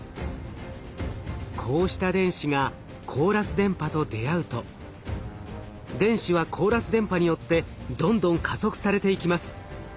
こうした電子がコーラス電波と出会うと電子はコーラス電波によってどんどん加速されていきます。